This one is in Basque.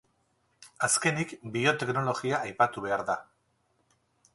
Azkenik bioteknologia aipatu behar da.